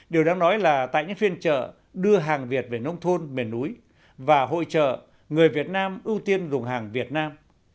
điều đáng nói là tại những phiên trợ đưa hàng việt về nông thôn miền núi và hội trợ người việt nam ưu tiên dùng hàng việt nam